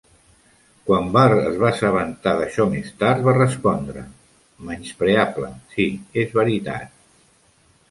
Quan Burr es va assabentar d'això més tard, va respondre: Menyspreable, si és veritat.